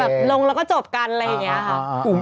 ลงแล้วก็จบกันอะไรอย่างนี้ค่ะ